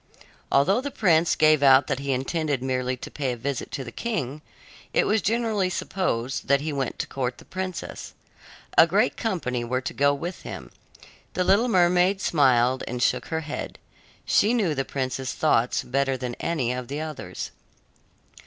Although the prince gave out that he intended merely to pay a visit to the king, it was generally supposed that he went to court the princess. A great company were to go with him. The little mermaid smiled and shook her head. She knew the prince's thoughts better than any of the others.